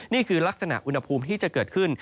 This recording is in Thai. นี่คือลักษณะอุณหภูมิที่จะเกิดขึ้น